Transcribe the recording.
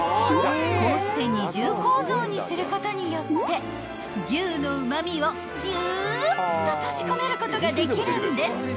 ［こうして二重構造にすることによって牛のうま味をギューッと閉じ込めることができるんです］